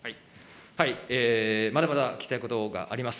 まだまだ聞きたいことがあります。